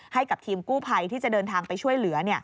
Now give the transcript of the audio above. ให้กับทีมกู้ภัยที่จะเดินทางไปช่วยเหลือ